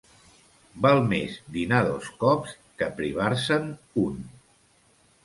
Val més dinar dos cops que privar-se'n un.